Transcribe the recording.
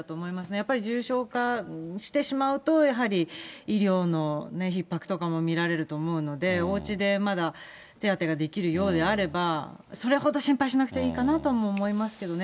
やっぱり重症化してしまうと、やはり医療のひっ迫とかも見られると思うので、おうちでまだ手当てができるようであれば、それほど心配しなくてもいいかなと思いますけどね。